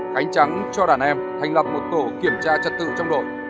khánh trắng cho đàn em thành lập một tổ kiểm tra trật tự trong đội